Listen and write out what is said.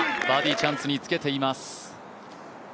バーディーチャンスにつけています。